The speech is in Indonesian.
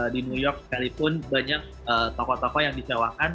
di new york sekalipun banyak toko toko yang dicawakan